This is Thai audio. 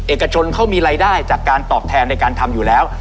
เอกชนเขามีรายได้จากการตอบแทนในการทำอยู่แล้ว